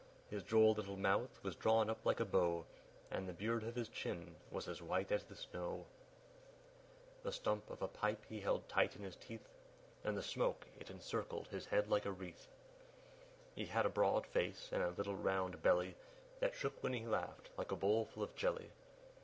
His droll little mouth was drawn up like a bow, And the beard of his chin was as white as the snow; The stump of a pipe he held tight in his teeth, And the smoke it encircled his head like a wreath; He had a broad face and a little round belly, That shook when he laughed, like a bowlful of jelly.